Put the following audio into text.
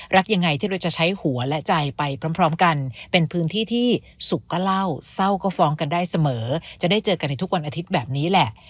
รักยังไงที่เราจะใช้หัวและใจไปพร้อมกันเป็นพื้นที่ที่สุขก็เล่าเศร้าก็ฟ้องกันได้เสมอจะได้เจอกันในทุกวันอาทิตย์แบบนี้แหละ